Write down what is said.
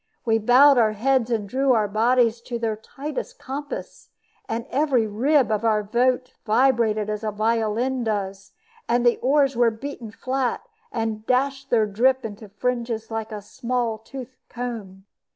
We bowed our heads and drew our bodies to their tightest compass, and every rib of our boat vibrated as a violin does; and the oars were beaten flat, and dashed their drip into fringes like a small toothed comb.